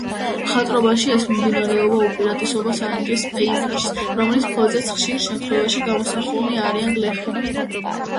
მხატვრობაში ეს მიმდინარეობა უპირატესობას ანიჭებს პეიზაჟს, რომლის ფონზეც ხშირ შემთხვევაში გამოსახულნი არიან გლეხები.